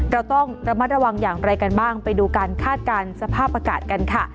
เราต้องระมัดระวังอย่างไรกันบ้างไปดูการคาดการณ์สภาพอากาศกันค่ะ